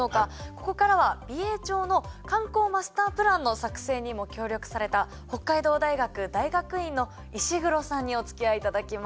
ここからは美瑛町の観光マスタープランの作成にも協力された北海道大学大学院の石黒さんにおつきあいいただきます。